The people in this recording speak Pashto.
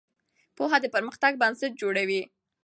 پوهه د پرمختګ بنسټ جوړوي.